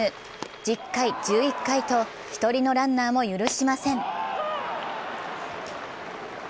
１０回、１１回と１人のランナーも許しません。